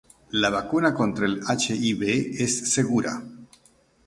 La vacuna contra el Hib es segura